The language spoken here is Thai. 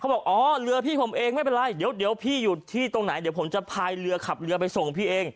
บอกอ๋อเรือพี่ผมเองไม่เป็นไรเดี๋ยวพี่อยู่ที่ตรงไหนเดี๋ยวผมจะพายเรือขับเรือไปส่งพี่เอง